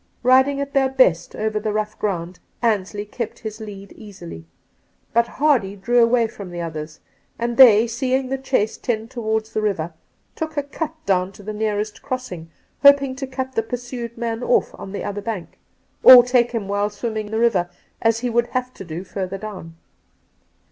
Riding at their best ot^er the rough ground, Ansley kept his lead, easily ; but Hardy drew away from the others, and they, seeing the chase tend towards the river, took a cut down to the nearest crossing, hoping to cut the pursued man off on the other bank, or take him whUe swimming the fiver, as he would have to do further down.